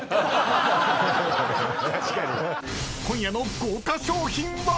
［今夜の豪華賞品は⁉］